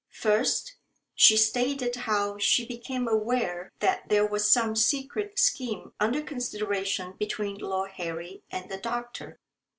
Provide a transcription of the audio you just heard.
First, she stated how she became aware that there was some secret scheme under consideration between Lord Harry and the doctor.